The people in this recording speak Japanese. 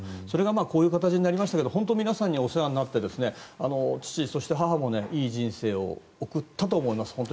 それがこういう形になりましたが本当、皆さんにお世話になって父、そして母もいい人生を送ったと思います。